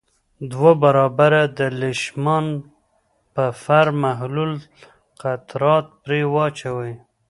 دوه برابره د لیشمان بفر محلول قطرات پرې واچوئ.